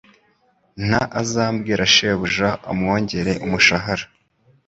Nta azambwira shebuja amwongere umushahara